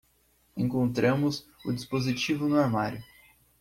Encontramos o dispositivo no armário.